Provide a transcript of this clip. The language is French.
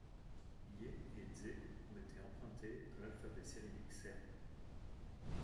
Ј et Џ ont été empruntées à l'alphabet cyrillique serbe.